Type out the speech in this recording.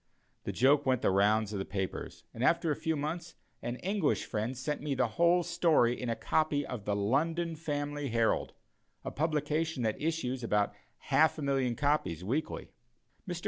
The joke went the rounds of the papers; and after a few months, an English friend sent me the whole story in a copy of the London Family Herald a publication that issues about half a million of copies weekly. Mr.